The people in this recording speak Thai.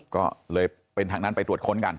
ก็เลยเป็นทางนั้นไปตรวจค้นกัน